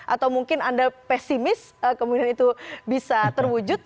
atau mungkin anda pesimis kemudian itu bisa terwujud